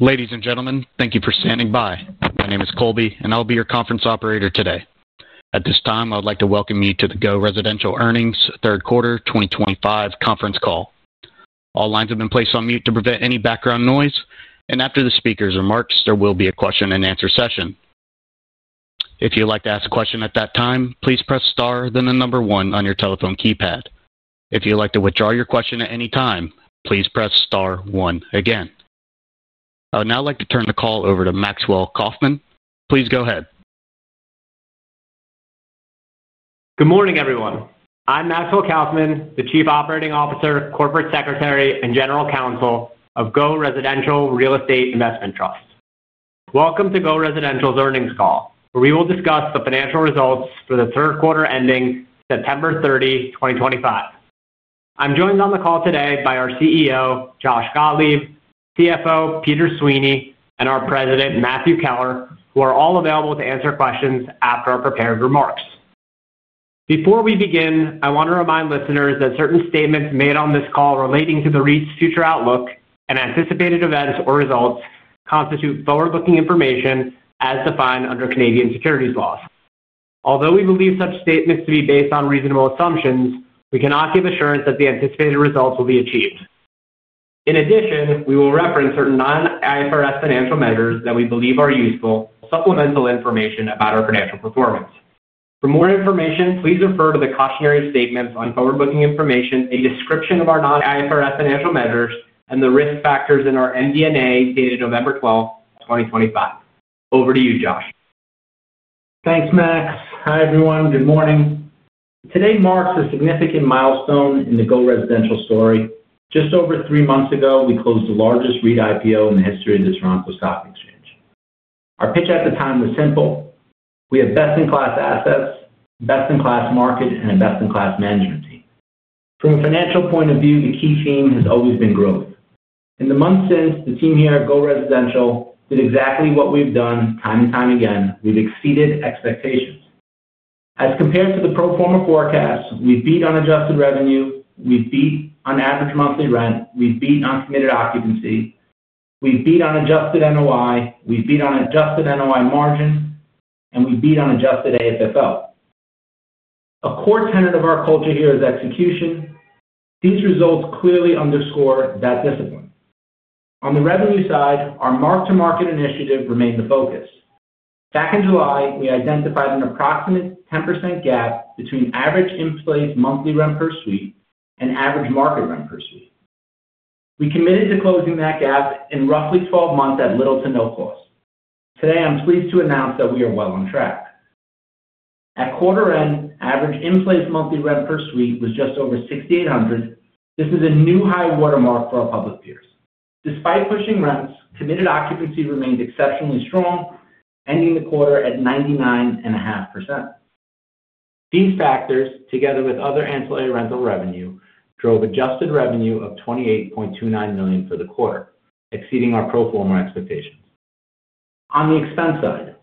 Ladies and gentlemen, thank you for standing by. My name is Colby, and I'll be your conference operator today. At this time, I would like to welcome you to the GO Residential Earnings Third Quarter 2025 conference call. All lines have been placed on mute to prevent any background noise, and after the speaker's remarks, there will be a question-and-answer session. If you'd like to ask a question at that time, please press star, then the number one on your telephone keypad. If you'd like to withdraw your question at any time, please press star, one again. I would now like to turn the call over to Maxwell Kaufman. Please go ahead. Good morning, everyone. I'm Maxwell Kaufman, the Chief Operating Officer, Corporate Secretary, and General Counsel of GO Residential Real Estate Investment Trust. Welcome to GO Residential's earnings call, where we will discuss the financial results for the third quarter ending September 30, 2025. I'm joined on the call today by our CEO, Josh Gottlieb, CFO, Peter Sweeney, and our President, Matthew Keller, who are all available to answer questions after our prepared remarks. Before we begin, I want to remind listeners that certain statements made on this call relating to the REIT's future outlook and anticipated events or results constitute forward-looking information as defined under Canadian securities laws. Although we believe such statements to be based on reasonable assumptions, we cannot give assurance that the anticipated results will be achieved. In addition, we will reference certain non-IFRS financial measures that we believe are useful. Supplemental information about our financial performance. For more information, please refer to the cautionary statements on forward-looking information, a description of our non-IFRS financial measures, and the risk factors in our MD&A dated November 12, 2025. Over to you, Josh. Thanks, Max. Hi, everyone. Good morning. Today marks a significant milestone in the GO Residential story. Just over three months ago, we closed the largest REIT IPO in the history of the Toronto Stock Exchange. Our pitch at the time was simple. We have best-in-class assets, best-in-class market, and a best-in-class management team. From a financial point of view, the key theme has always been growth. In the months since, the team here at GO Residential did exactly what we've done time and time again. We've exceeded expectations. As compared to the pro forma forecasts, we've beat unadjusted revenue, we've beat on average monthly rent, we've beat uncommitted occupancy, we've beat on adjusted NOI, we've beat on adjusted NOI margin, and we've beat on adjusted AFFO. A core tenet of our culture here is execution. These results clearly underscore that discipline. On the revenue side, our mark-to-market initiative remained the focus. Back in July, we identified an approximate 10% gap between average in-place monthly rent per suite and average market rent per suite. We committed to closing that gap in roughly 12 months at little to no cost. Today, I'm pleased to announce that we are well on track. At quarter-end, average in-place monthly rent per suite was just over $6,800. This is a new high watermark for our public peers. Despite pushing rents, committed occupancy remained exceptionally strong, ending the quarter at 99.5%. These factors, together with other ancillary rental revenue, drove adjusted revenue of $28.29 million for the quarter, exceeding our pro forma expectations. On the expense side,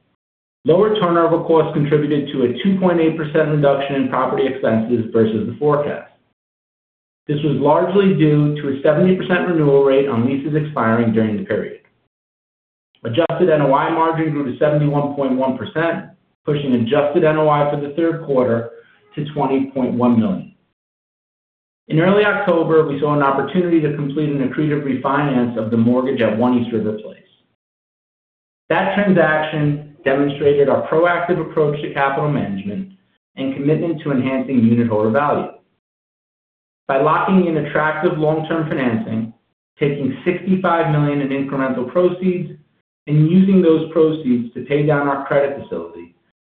lower turnover costs contributed to a 2.8% reduction in property expenses versus the forecast. This was largely due to a 70% renewal rate on leases expiring during the period. Adjusted NOI margin grew to 71.1%, pushing adjusted NOI for the third quarter to $20.1 million. In early October, we saw an opportunity to complete an accretive refinance of the mortgage at One East River Place. That transaction demonstrated our proactive approach to capital management and commitment to enhancing unit holder value. By locking in attractive long-term financing, taking $65 million in incremental proceeds, and using those proceeds to pay down our credit facility,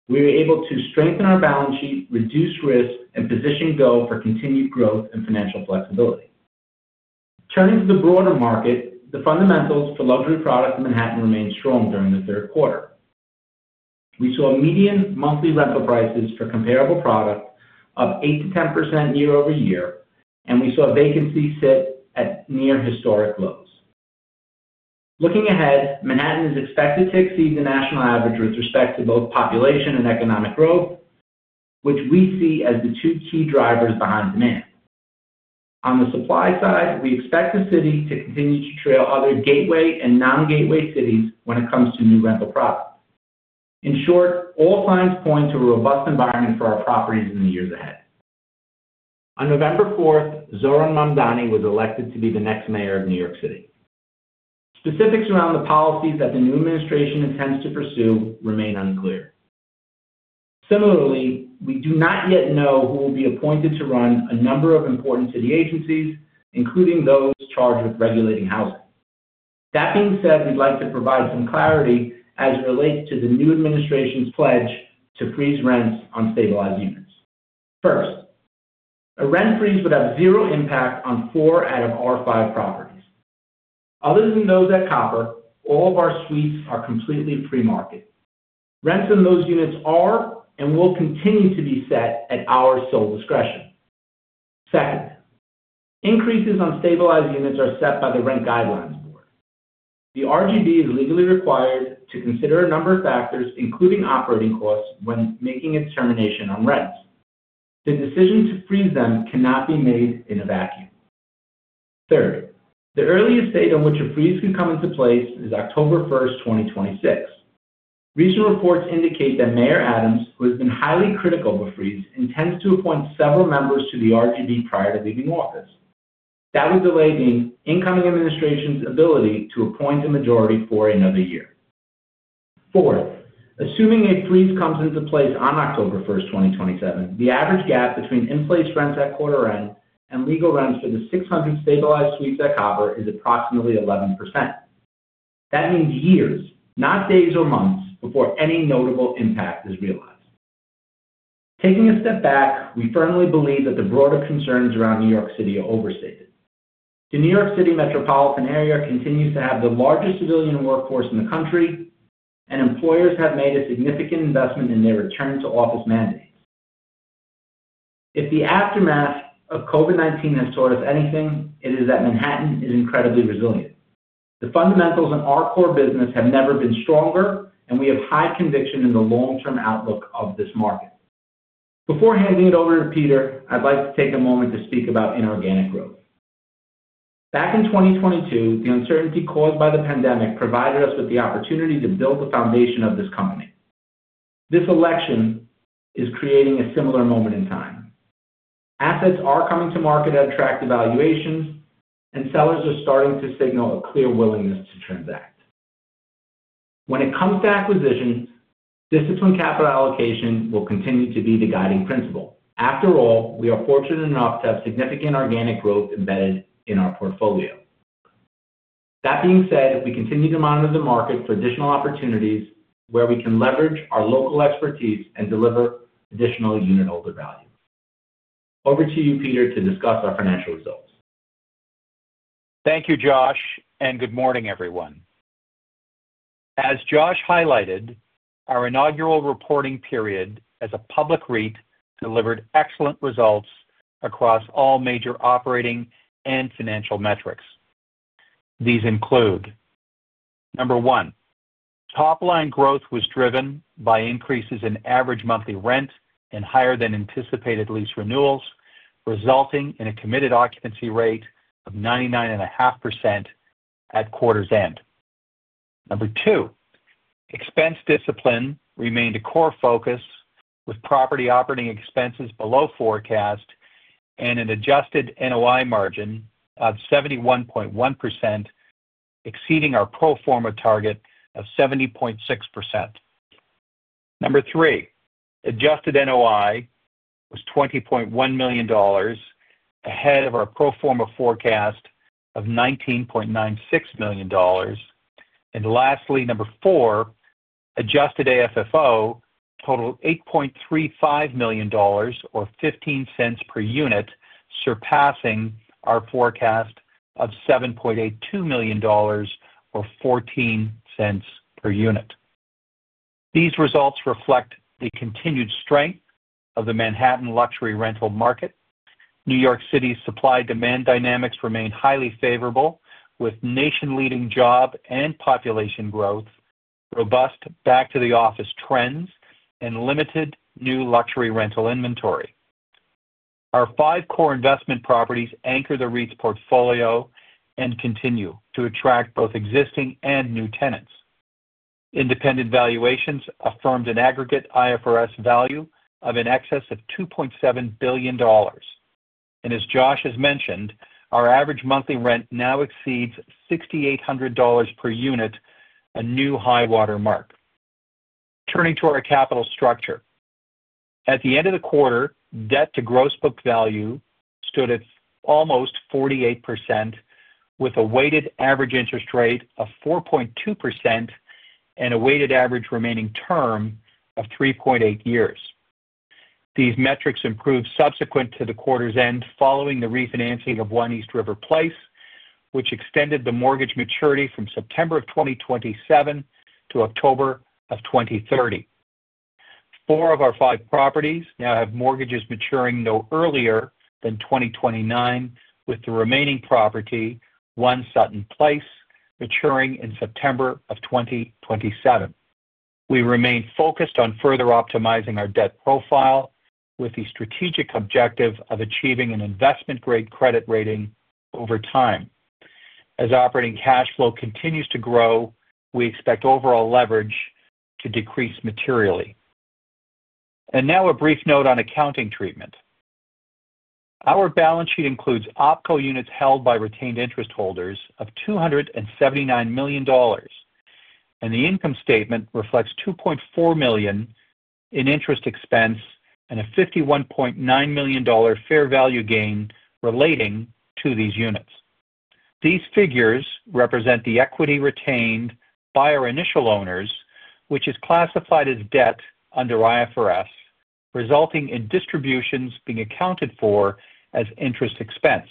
we were able to strengthen our balance sheet, reduce risk, and position GO for continued growth and financial flexibility. Turning to the broader market, the fundamentals for luxury products in Manhattan remained strong during the third quarter. We saw median monthly rental prices for comparable products up 8-10% year over year, and we saw vacancy sit at near historic lows. Looking ahead, Manhattan is expected to exceed the national average with respect to both population and economic growth, which we see as the two key drivers behind demand. On the supply side, we expect the city to continue to trail other gateway and non-gateway cities when it comes to new rental products. In short, all signs point to a robust environment for our properties in the years ahead. On November 4, Zoran Mamdani was elected to be the next mayor of New York City. Specifics around the policies that the new administration intends to pursue remain unclear. Similarly, we do not yet know who will be appointed to run a number of important city agencies, including those charged with regulating housing. That being said, we'd like to provide some clarity as it relates to the new administration's pledge to freeze rents on stabilized units. First, a rent freeze would have zero impact on four out of our five properties. Other than those at Copper, all of our suites are completely pre-market. Rents in those units are and will continue to be set at our sole discretion. Second, increases on stabilized units are set by the Rent Guidelines Board. The RGB is legally required to consider a number of factors, including operating costs, when making its determination on rents. The decision to freeze them cannot be made in a vacuum. Third, the earliest date on which a freeze could come into place is October 1, 2026. Recent reports indicate that Mayor Adams, who has been highly critical of a freeze, intends to appoint several members to the RGB prior to leaving office. That would delay the incoming administration's ability to appoint a majority for another year. Fourth, assuming a freeze comes into place on October 1, 2027, the average gap between in-place rents at quarter-end and legal rents for the 600 stabilized suites at Copper is approximately 11%. That means years, not days or months, before any notable impact is realized. Taking a step back, we firmly believe that the broader concerns around New York City are overstated. The New York City metropolitan area continues to have the largest civilian workforce in the country, and employers have made a significant investment in their return-to-office mandates. If the aftermath of COVID-19 has taught us anything, it is that Manhattan is incredibly resilient. The fundamentals in our core business have never been stronger, and we have high conviction in the long-term outlook of this market. Before handing it over to Peter, I'd like to take a moment to speak about inorganic growth. Back in 2022, the uncertainty caused by the pandemic provided us with the opportunity to build the foundation of this company. This election is creating a similar moment in time. Assets are coming to market at attractive valuations, and sellers are starting to signal a clear willingness to transact. When it comes to acquisitions, disciplined capital allocation will continue to be the guiding principle. After all, we are fortunate enough to have significant organic growth embedded in our portfolio. That being said, we continue to monitor the market for additional opportunities where we can leverage our local expertise and deliver additional unitholder value. Over to you, Peter, to discuss our financial results. Thank you, Josh, and good morning, everyone. As Josh highlighted, our inaugural reporting period as a public REIT delivered excellent results across all major operating and financial metrics. These include: Number one, top-line growth was driven by increases in average monthly rent and higher-than-anticipated lease renewals, resulting in a committed occupancy rate of 99.5% at quarter's end. Number two, expense discipline remained a core focus, with property operating expenses below forecast and an adjusted NOI margin of 71.1%, exceeding our pro forma target of 70.6%. Number three, adjusted NOI was $20.1 million ahead of our pro forma forecast of $19.96 million. Lastly, number four, adjusted AFFO totaled $8.35 million, or $0.15 per unit, surpassing our forecast of $7.82 million, or $0.14 per unit. These results reflect the continued strength of the Manhattan luxury rental market. New York City's supply-demand dynamics remain highly favorable, with nation-leading job and population growth, robust back-to-the-office trends, and limited new luxury rental inventory. Our five core investment properties anchor the REIT's portfolio and continue to attract both existing and new tenants. Independent valuations affirmed an aggregate IFRS value of in excess of $2.7 billion. As Josh has mentioned, our average monthly rent now exceeds $6,800 per unit, a new high watermark. Turning to our capital structure, at the end of the quarter, debt to gross book value stood at almost 48%, with a weighted average interest rate of 4.2% and a weighted average remaining term of 3.8 years. These metrics improved subsequent to the quarter's end following the refinancing of One East River Place, which extended the mortgage maturity from September of 2027 to October of 2030. Four of our five properties now have mortgages maturing no earlier than 2029, with the remaining property, One Sutton Place, maturing in September of 2027. We remain focused on further optimizing our debt profile with the strategic objective of achieving an investment-grade credit rating over time. As operating cash flow continues to grow, we expect overall leverage to decrease materially. A brief note on accounting treatment. Our balance sheet includes opco units held by retained interest holders of $279 million, and the income statement reflects $2.4 million in interest expense and a $51.9 million fair value gain relating to these units. These figures represent the equity retained by our initial owners, which is classified as debt under IFRS, resulting in distributions being accounted for as interest expense.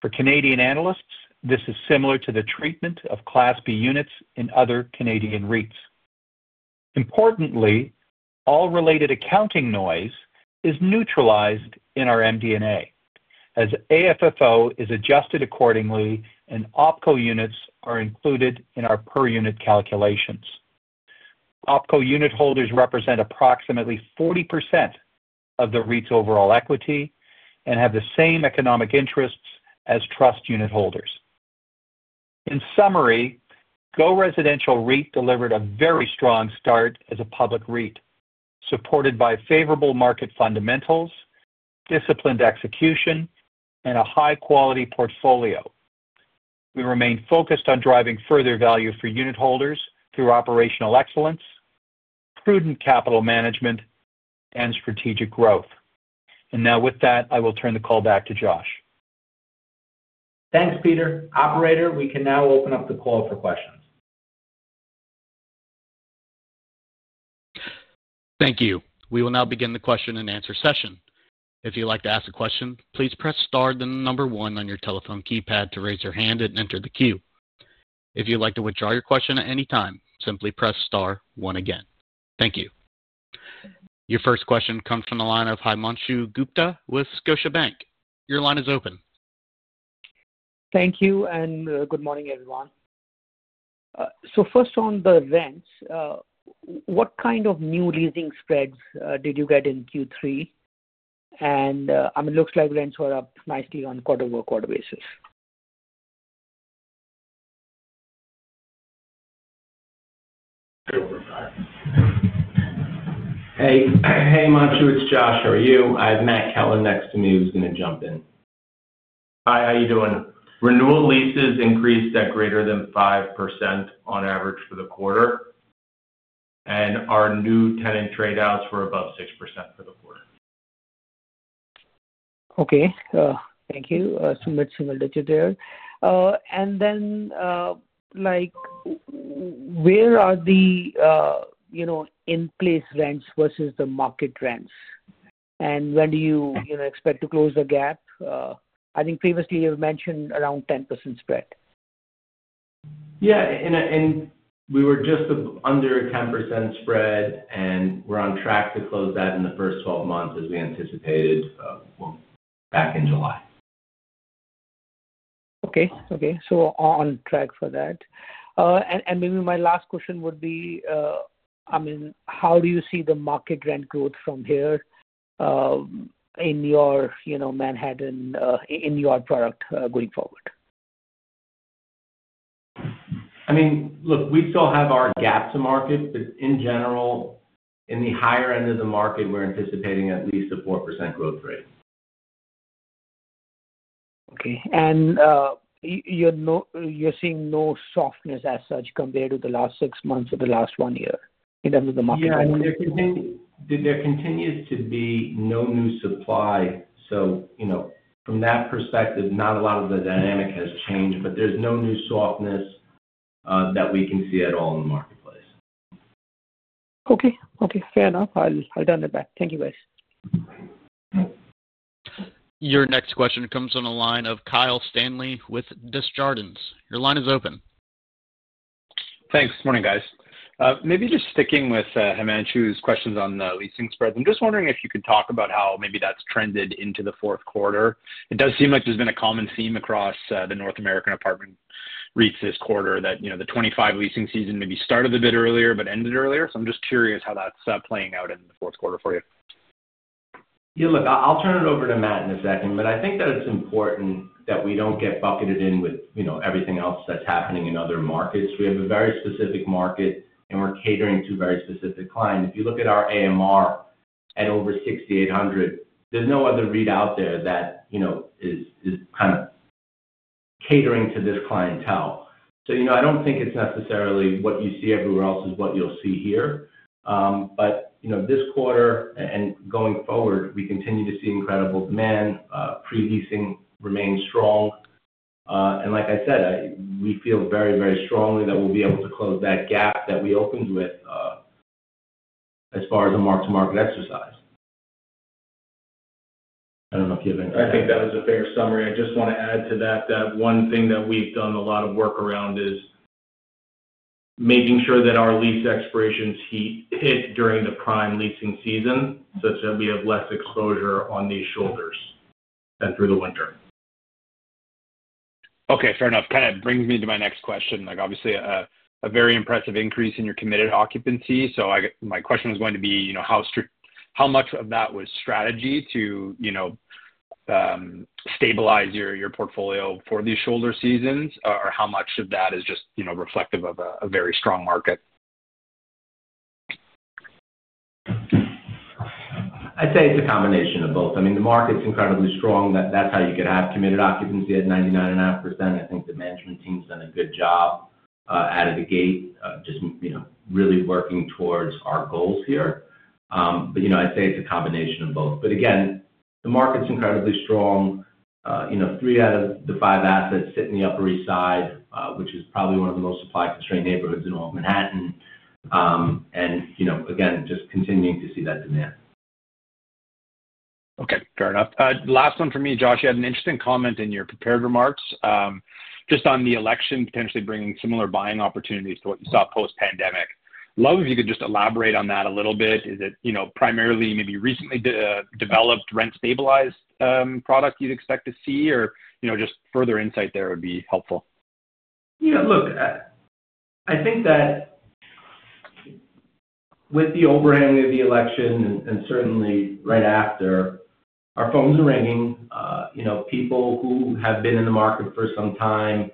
For Canadian analysts, this is similar to the treatment of Class B units in other Canadian REITs. Importantly, all related accounting noise is neutralized in our MVNA as AFFO is adjusted accordingly, and opco units are included in our per-unit calculations. Opco unit holders represent approximately 40% of the REIT's overall equity and have the same economic interests as trust unit holders. In summary, GO Residential REIT delivered a very strong start as a public REIT, supported by favorable market fundamentals, disciplined execution, and a high-quality portfolio. We remain focused on driving further value for unit holders through operational excellence, prudent capital management, and strategic growth. Now with that, I will turn the call back to Josh. Thanks, Peter. Operator, we can now open up the call for questions. Thank you. We will now begin the question-and-answer session. If you'd like to ask a question, please press star then number one on your telephone keypad to raise your hand and enter the queue. If you'd like to withdraw your question at any time, simply press star one again. Thank you. Your first question comes from the line of Haimanshu Gupta with Scotiabank. Your line is open. Thank you and good morning, everyone. First on the rents, what kind of new leasing spreads did you get in Q3? It looks like rents were up nicely on a quarter-over-quarter basis. Hey, Haimanshu, it's Josh. How are you? I have Matt Kellen next to me who's going to jump in. Hi, how are you doing? Renewal leases increased at greater than 5% on average for the quarter, and our new tenant tradeouts were above 6% for the quarter. Okay, thank you. So much similitude there. Where are the in-place rents versus the market rents? When do you expect to close the gap? I think previously you've mentioned around 10% spread. Yeah, and we were just under a 10% spread, and we're on track to close that in the first 12 months as we anticipated back in July. Okay, okay. On track for that. Maybe my last question would be, I mean, how do you see the market rent growth from here in your Manhattan, in your product, going forward? I mean, look, we still have our gap to market, but in general, in the higher end of the market, we're anticipating at least a 4% growth rate. Okay. You're seeing no softness as such compared to the last six months or the last one year in terms of the market? Yeah, and there continues to be no new supply. From that perspective, not a lot of the dynamic has changed, but there's no new softness that we can see at all in the marketplace. Okay, okay. Fair enough. I'll turn it back. Thank you guys. Your next question comes on the line of Kyle Stanley with Desjardins. Your line is open. Thanks. Morning, guys. Maybe just sticking with Haimanshu's questions on the leasing spreads, I'm just wondering if you could talk about how maybe that's trended into the fourth quarter. It does seem like there's been a common theme across the North American apartment REITs this quarter that the 2025 leasing season maybe started a bit earlier but ended earlier. I'm just curious how that's playing out in the fourth quarter for you. Yeah, look, I'll turn it over to Matt in a second, but I think that it's important that we don't get bucketed in with everything else that's happening in other markets. We have a very specific market, and we're catering to a very specific client. If you look at our AMR at over $6,800, there's no other REIT out there that is kind of catering to this clientele. I don't think it's necessarily what you see everywhere else is what you'll see here. This quarter and going forward, we continue to see incredible demand. Pre-leasing remains strong. Like I said, we feel very, very strongly that we'll be able to close that gap that we opened with as far as a mark-to-market exercise. I don't know if you have anything to add. I think that was a fair summary. I just want to add to that that one thing that we've done a lot of work around is making sure that our lease expirations hit during the prime leasing season such that we have less exposure on these shoulders and through the winter. Okay, fair enough. Kind of brings me to my next question. Obviously, a very impressive increase in your committed occupancy. My question was going to be how much of that was strategy to stabilize your portfolio for these shoulder seasons, or how much of that is just reflective of a very strong market? I'd say it's a combination of both. I mean, the market's incredibly strong. That's how you could have committed occupancy at 99.5%. I think the management team's done a good job out of the gate, just really working towards our goals here. I'd say it's a combination of both. The market's incredibly strong. Three out of the five assets sit in the Upper East Side, which is probably one of the most supply-constrained neighborhoods in all of Manhattan. Again, just continuing to see that demand. Okay, fair enough. Last one from me, Josh. You had an interesting comment in your prepared remarks just on the election potentially bringing similar buying opportunities to what you saw post-pandemic. Love if you could just elaborate on that a little bit. Is it primarily maybe recently developed rent-stabilized product you'd expect to see, or just further insight there would be helpful? Yeah, look, I think that with the overhang of the election and certainly right after, our phones are ringing. People who have been in the market for some time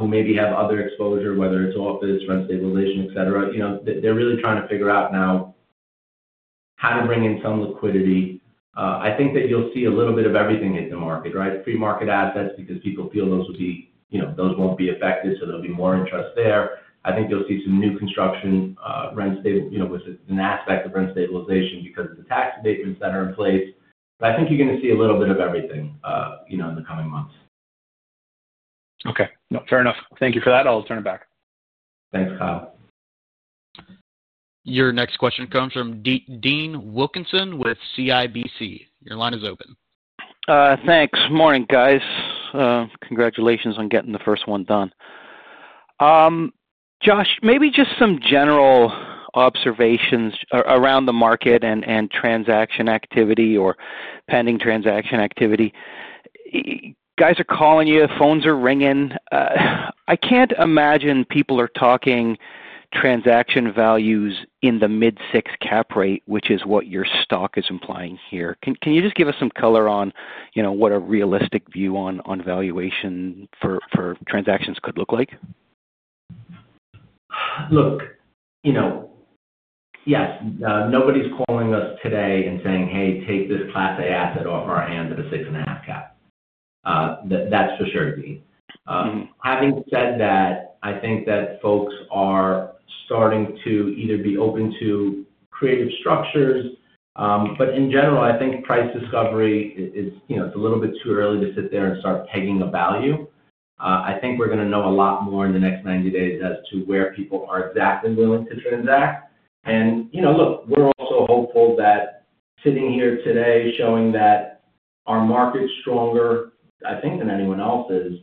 who maybe have other exposure, whether it's office, rent stabilization, etc., they're really trying to figure out now how to bring in some liquidity. I think that you'll see a little bit of everything in the market, right? Pre-market assets because people feel those won't be affected, so there'll be more interest there. I think you'll see some new construction with an aspect of rent stabilization because of the tax abatements that are in place. I think you're going to see a little bit of everything in the coming months. Okay. No, fair enough. Thank you for that. I'll turn it back. Thanks, Kyle. Your next question comes from Dean Wilkinson with CIBC. Your line is open. Thanks. Morning, guys. Congratulations on getting the first one done. Josh, maybe just some general observations around the market and transaction activity or pending transaction activity. Guys are calling you. Phones are ringing. I can't imagine people are talking transaction values in the mid-six cap rate, which is what your stock is implying here. Can you just give us some color on what a realistic view on valuation for transactions could look like? Look, yes, nobody's calling us today and saying, "Hey, take this class A asset off our hands at a 6.5% cap." That's for sure, Dean. Having said that, I think that folks are starting to either be open to creative structures. In general, I think price discovery is a little bit too early to sit there and start pegging a value. I think we're going to know a lot more in the next 90 days as to where people are exactly willing to transact. Look, we're also hopeful that sitting here today showing that our market's stronger, I think, than anyone else's,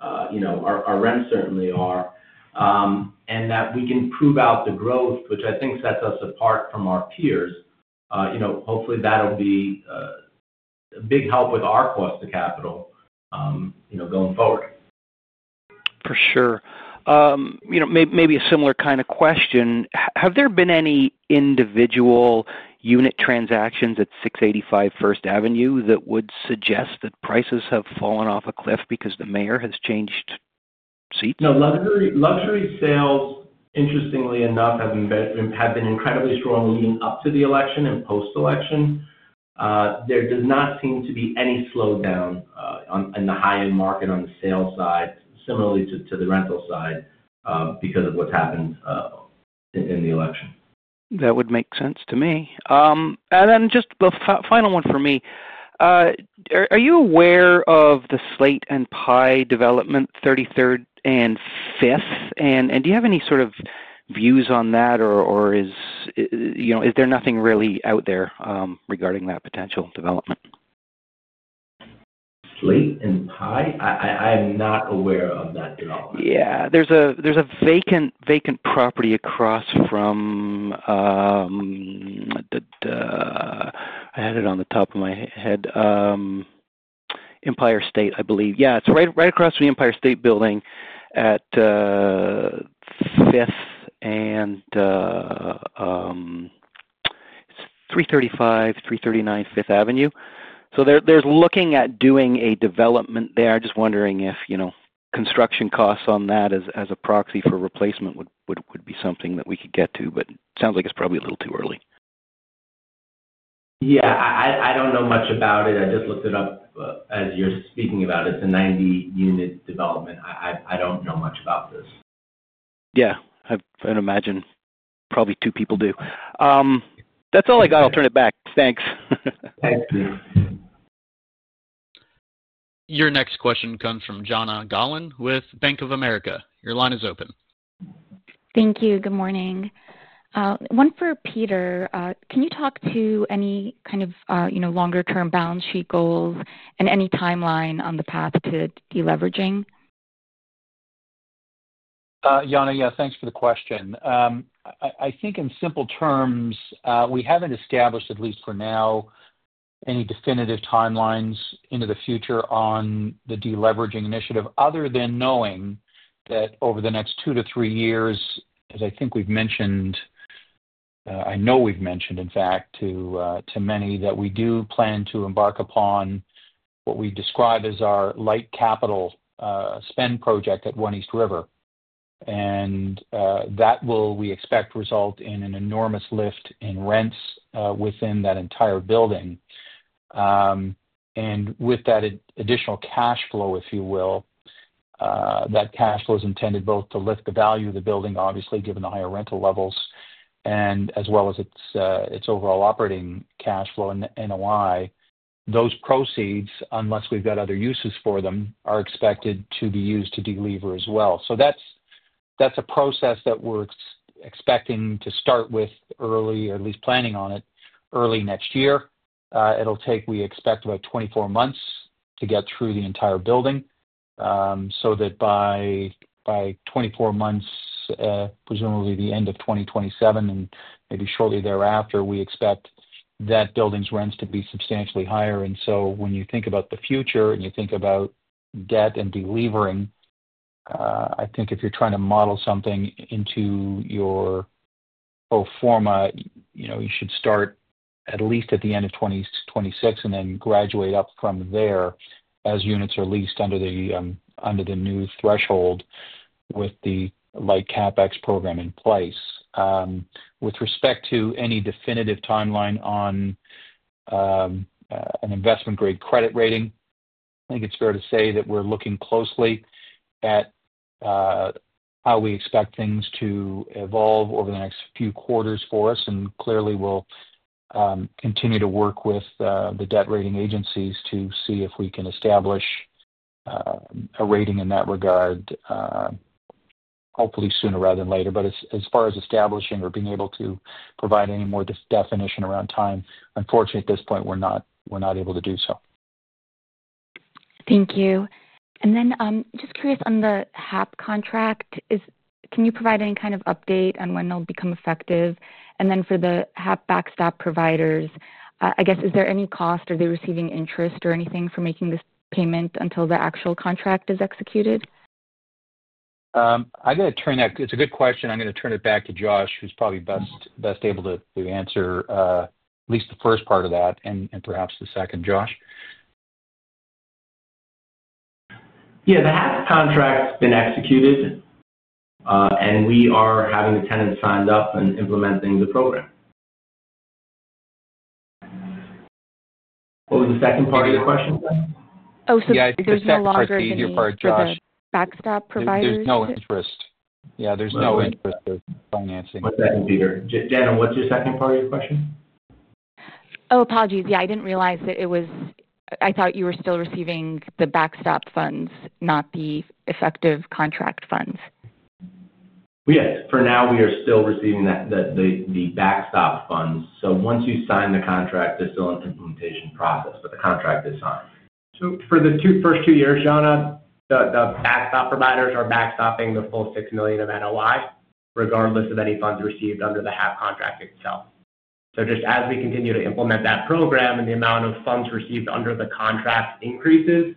our rents certainly are, and that we can prove out the growth, which I think sets us apart from our peers. Hopefully, that'll be a big help with our cost of capital going forward. For sure. Maybe a similar kind of question. Have there been any individual unit transactions at 685 First Avenue that would suggest that prices have fallen off a cliff because the mayor has changed seats? No, luxury sales, interestingly enough, have been incredibly strong leading up to the election and post-election. There does not seem to be any slowdown in the high-end market on the sale side, similarly to the rental side, because of what's happened in the election. That would make sense to me. Just the final one for me. Are you aware of the Slate and Pie development, 33rd and 5th? Do you have any sort of views on that, or is there nothing really out there regarding that potential development? Slate and Pie? I am not aware of that development. Yeah. There's a vacant property across from—I had it on the top of my head—Empire State, I believe. Yeah, it's right across from the Empire State Building at 5th and 335, 339 5th Avenue. They are looking at doing a development there. I'm just wondering if construction costs on that as a proxy for replacement would be something that we could get to, but it sounds like it's probably a little too early. Yeah, I don't know much about it. I just looked it up as you're speaking about it. It's a 90-unit development. I don't know much about this. Yeah, I would imagine probably two people do. That's all I got. I'll turn it back. Thanks. Thanks, Peter. Your next question comes from Jonna Gollen with Bank of America. Your line is open. Thank you. Good morning. One for Peter. Can you talk to any kind of longer-term balance sheet goals and any timeline on the path to deleveraging? Jonna, yeah, thanks for the question. I think in simple terms, we have not established, at least for now, any definitive timelines into the future on the deleveraging initiative other than knowing that over the next two to three years, as I think we have mentioned—I know we have mentioned, in fact, to many—that we do plan to embark upon what we describe as our light capital spend project at One East River. That will, we expect, result in an enormous lift in rents within that entire building. With that additional cash flow, if you will, that cash flow is intended both to lift the value of the building, obviously, given the higher rental levels, as well as its overall operating cash flow and NOI. Those proceeds, unless we have other uses for them, are expected to be used to delever as well. That is a process that we are expecting to start with early, or at least planning on it, early next year. It will take, we expect, about 24 months to get through the entire building so that by 24 months, presumably the end of 2027 and maybe shortly thereafter, we expect that building's rents to be substantially higher. When you think about the future and you think about debt and delivering, I think if you are trying to model something into your pro forma, you should start at least at the end of 2026 and then graduate up from there as units are leased under the new threshold with the light CapEx program in place. With respect to any definitive timeline on an investment-grade credit rating, I think it is fair to say that we are looking closely at how we expect things to evolve over the next few quarters for us. Clearly, we'll continue to work with the debt rating agencies to see if we can establish a rating in that regard, hopefully sooner rather than later. As far as establishing or being able to provide any more definition around time, unfortunately, at this point, we're not able to do so. Thank you. Just curious on the HAP contract, can you provide any kind of update on when they'll become effective? For the HAP backstop providers, I guess, is there any cost or are they receiving interest or anything for making this payment until the actual contract is executed? I'm going to turn that—it's a good question. I'm going to turn it back to Josh, who's probably best able to answer at least the first part of that and perhaps the second, Josh. Yeah, the HAP contract's been executed, and we are having the tenants signed up and implementing the program. What was the second part of your question? Oh, so there's a lot of interest. Yeah, I think there's a first easier part, Josh. Backstop providers? There's no interest. Yeah, there's no interest in financing. What's that, Peter? Daniel, what's your second part of your question? Oh, apologies. Yeah, I did not realize that it was—I thought you were still receiving the backstop funds, not the effective contract funds. Yes, for now, we are still receiving the backstop funds. Once you sign the contract, they're still in the implementation process, but the contract is signed. For the first two years, Jonna, the backstop providers are backstopping the full $6 million of NOI, regardless of any funds received under the HAP contract itself. Just as we continue to implement that program and the amount of funds received under the contract increases,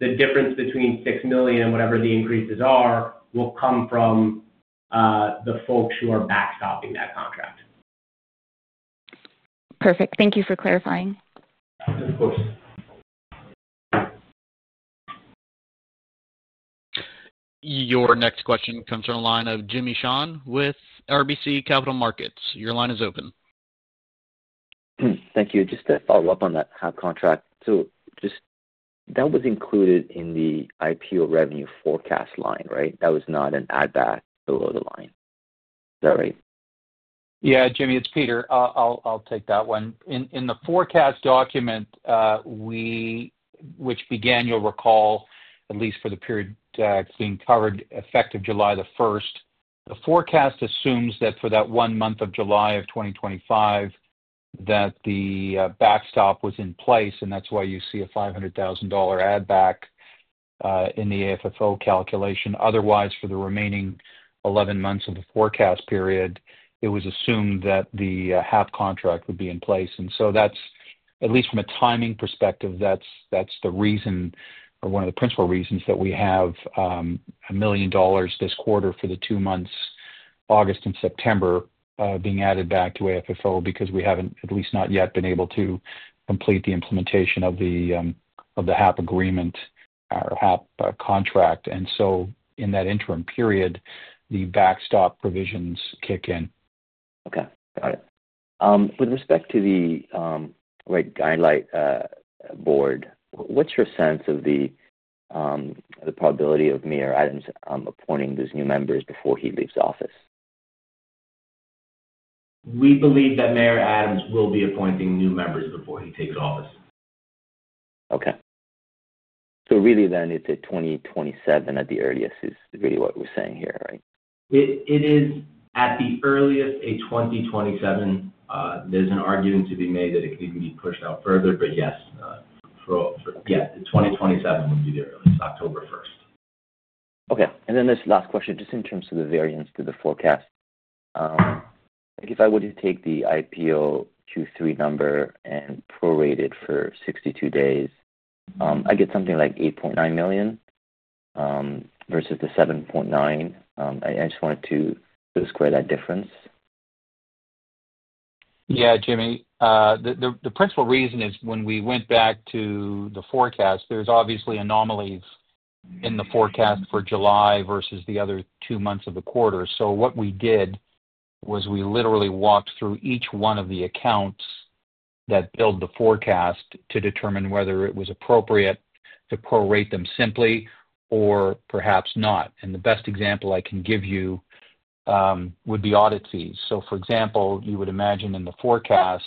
the difference between $6 million and whatever the increases are will come from the folks who are backstopping that contract. Perfect. Thank you for clarifying. Of course. Your next question comes from the line of Jimmy Shan with RBC Capital Markets. Your line is open. Thank you. Just to follow up on that HAP contract, so that was included in the IPO revenue forecast line, right? That was not an add-back below the line. Is that right? Yeah, Jimmy, it's Peter. I'll take that one. In the forecast document, which began, you'll recall, at least for the period that's being covered, effective July 1, 2025, the forecast assumes that for that one month of July 2025, that the backstop was in place, and that's why you see a $500,000 add-back in the AFFO calculation. Otherwise, for the remaining 11 months of the forecast period, it was assumed that the HAP contract would be in place. That's, at least from a timing perspective, the reason or one of the principal reasons that we have $1 million this quarter for the two months, August and September, being added back to AFFO because we haven't, at least not yet, been able to complete the implementation of the HAP agreement or HAP contract. In that interim period, the backstop provisions kick in. Okay. Got it. With respect to the Rent Guidelines Board, what's your sense of the probability of Mayor Adams appointing those new members before he leaves office? We believe that Mayor Adams will be appointing new members before he takes office. Okay. So really then, it's at 2027 at the earliest, is really what we're saying here, right? It is at the earliest a 2027. There's an argument to be made that it could even be pushed out further, but yes, yeah, 2027 would be the earliest, October 1. Okay. This last question, just in terms of the variance to the forecast. If I were to take the IPO Q3 number and prorate it for 62 days, I get something like $8.9 million versus the $7.9 million. I just wanted to square that difference. Yeah, Jimmy. The principal reason is when we went back to the forecast, there's obviously anomalies in the forecast for July versus the other two months of the quarter. What we did was we literally walked through each one of the accounts that build the forecast to determine whether it was appropriate to prorate them simply or perhaps not. The best example I can give you would be audit fees. For example, you would imagine in the forecast,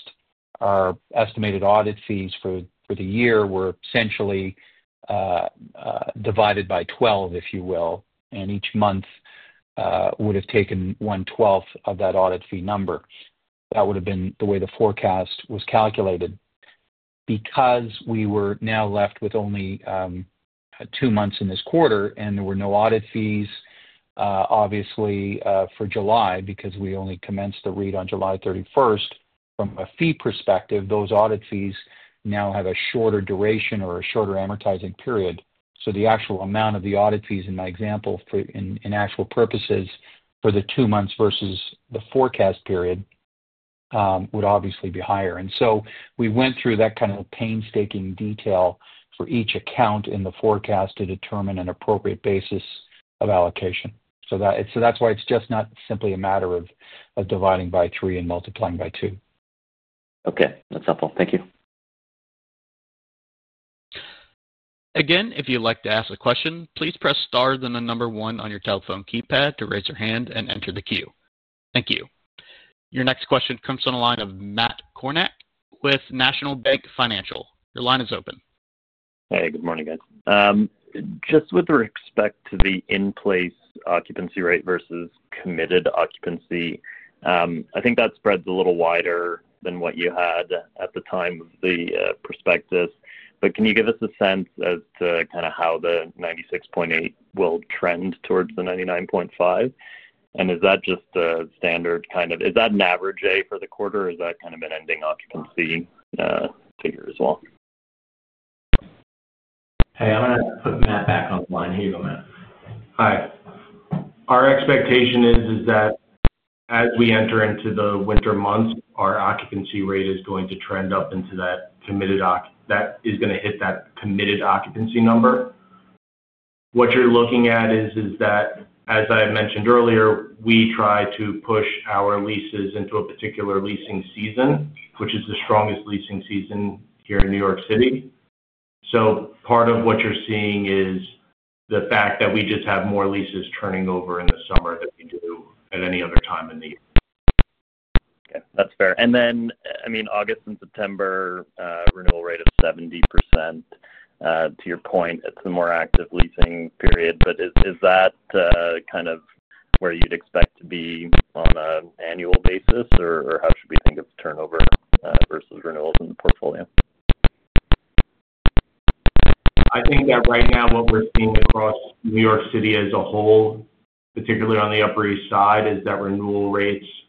our estimated audit fees for the year were essentially divided by 12, if you will, and each month would have taken one-twelfth of that audit fee number. That would have been the way the forecast was calculated. Because we were now left with only two months in this quarter and there were no audit fees, obviously, for July, because we only commenced the REIT on July 31, from a fee perspective, those audit fees now have a shorter duration or a shorter amortizing period. The actual amount of the audit fees in my example, in actual purposes, for the two months versus the forecast period would obviously be higher. We went through that kind of painstaking detail for each account in the forecast to determine an appropriate basis of allocation. That is why it is just not simply a matter of dividing by three and multiplying by two. Okay. That's helpful. Thank you. Again, if you'd like to ask a question, please press star then the number one on your telephone keypad to raise your hand and enter the queue. Thank you. Your next question comes from the line of Matt Kornak with National Bank Financial. Your line is open. Hey, good morning, guys. Just with respect to the in-place occupancy rate versus committed occupancy, I think that spread is a little wider than what you had at the time of the prospectus. Can you give us a sense as to kind of how the 96.8% will trend towards the 99.5%? Is that just a standard kind of—is that an average A for the quarter, or is that kind of an ending occupancy figure as well? Hey, I'm going to put Matt back on the line here. Hi, our expectation is that as we enter into the winter months, our occupancy rate is going to trend up into that committed—that is going to hit that committed occupancy number. What you're looking at is that, as I mentioned earlier, we try to push our leases into a particular leasing season, which is the strongest leasing season here in New York City. Part of what you're seeing is the fact that we just have more leases turning over in the summer than we do at any other time in the year. Okay. That's fair. I mean, August and September renewal rate is 70%. To your point, it's a more active leasing period. Is that kind of where you'd expect to be on an annual basis, or how should we think of turnover versus renewals in the portfolio? I think that right now, what we're seeing across New York City as a whole, particularly on the Upper East Side, is that renewal rates are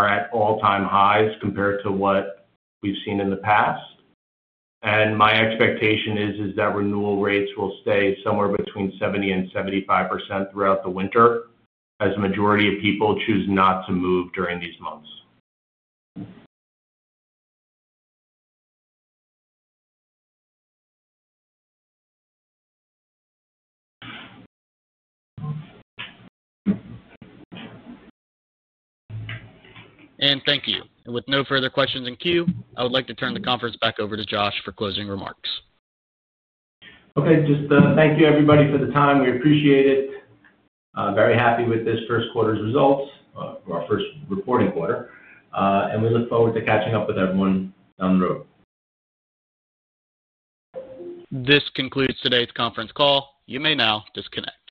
at all-time highs compared to what we've seen in the past. My expectation is that renewal rates will stay somewhere between 70-75% throughout the winter as the majority of people choose not to move during these months. Thank you. With no further questions in queue, I would like to turn the conference back over to Josh for closing remarks. Okay. Just thank you, everybody, for the time. We appreciate it. Very happy with this first quarter's results, our first reporting quarter. We look forward to catching up with everyone down the road. This concludes today's conference call. You may now disconnect.